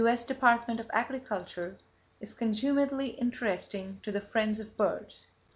S. Department of Agriculture) is consumedly interesting to the friends of birds.